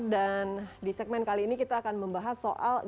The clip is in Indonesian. dan di segmen kali ini kita akan membahas soal